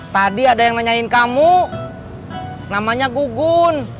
tadi ada yang nanyain kamu namanya gugun